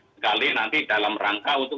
sekali nanti dalam rangka untuk